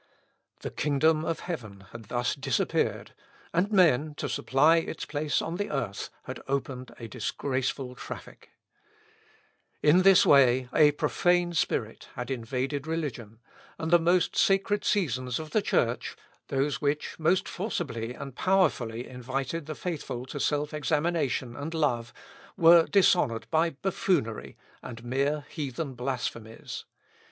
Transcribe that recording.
The kingdom of heaven had thus disappeared, and men, to supply its place on the earth, had opened a disgraceful traffic. Muller's Reliquien, vol. iii, p. 22. In this way, a profane spirit had invaded religion, and the most sacred seasons of the Church, those which, most forcibly and powerfully invited the faithful to self examination and love, were dishonoured by buffoonery and mere heathen blasphemies.